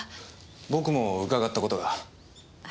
僕も伺った事が。